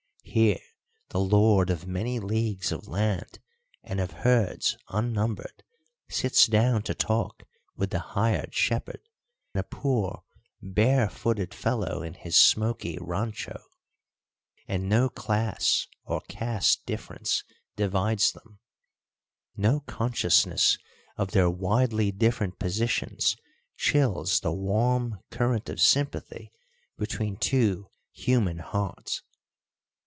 Here the lord of many leagues of land and of herds unnumbered sits down to talk with the hired shepherd, a poor, bare footed fellow in his smoky rancho, and no class or caste difference divides them, no consciousness of their widely different positions chills the warm current of sympathy between two human hearts.